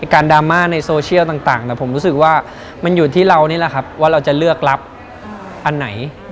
ดราม่าในโซเชียลต่างผมรู้สึกว่ามันอยู่ที่เรานี่แหละครับว่าเราจะเลือกรับอันไหน